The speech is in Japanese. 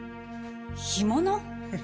干物？